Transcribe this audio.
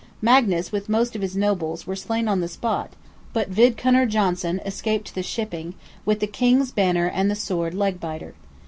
Magnus, with most of his nobles, were slain on the spot, but Vidkunner Johnsson escaped to the shipping, "with the King's banner and the sword Legbiter."